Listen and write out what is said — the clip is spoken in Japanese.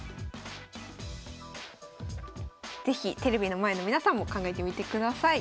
是非テレビの前の皆さんも考えてみてください。